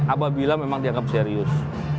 apabila memang dianggap serius